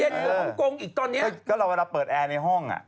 เย็นกงอีกตอนนี้ก็เราเวลาเปิดแอร์ในห้อง